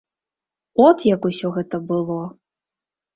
От як усё гэта было.